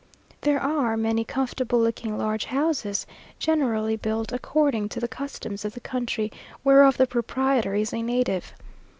There are many comfortable looking large houses, generally built according to the customs of the country whereof the proprietor is a native.